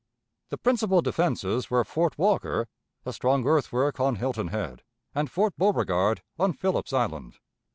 The principal defenses were Fort Walker, a strong earthwork on Hilton Head, and Fort Beauregard on Philip's Island.